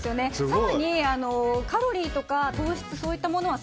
更に、カロリーとか糖質そういったものは